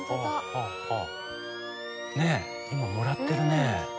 ねえ今もらってるね。